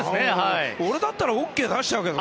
俺だったらＯＫ出しちゃうけど。